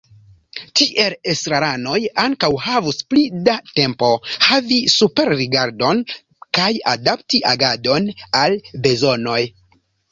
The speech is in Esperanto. Tiel estraranoj ankaŭ havus pli da tempo, havi superrigardon kaj adapti agadon al bezonoj.